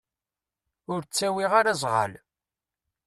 Ur ttawiɣ ara azɣal.